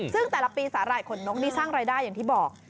ซึ่งแต่ละปีสาหร่ายขนนกนี่สร้างรายได้อย่างที่บอก